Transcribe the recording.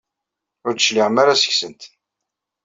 Ur d-tecliɛem ara seg-sent.